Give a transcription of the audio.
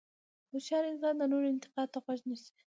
هوښیار انسان د نورو انتقاد ته غوږ نیسي.